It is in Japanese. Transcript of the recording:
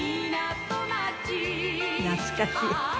懐かしい。